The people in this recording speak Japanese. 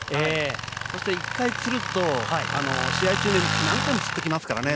１回つると、試合中に何回もつってきますからね、